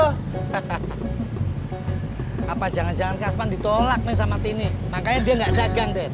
hahaha apa jangan jangan kasman ditolak neng sama tini makanya dia enggak dagang